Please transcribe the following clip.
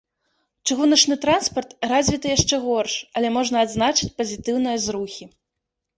Чыгуначны транспарт развіты яшчэ горш, але можна адзначыць пазітыўныя зрухі.